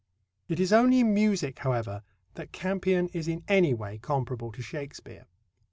It is only in music, however, that Campion is in any way comparable to Shakespeare.